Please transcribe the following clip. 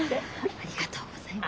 ありがとうございます。